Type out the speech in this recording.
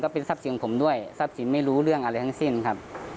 ก็เป็นทราบศีลของผมด้วยทราบศีลไม่รู้เรื่องอะไรทั้งสิ้นค่ะ